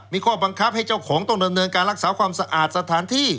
มีข้อบังคับให้เจ้าของต้องดำเนินการรักษาความสะอาดสถานที่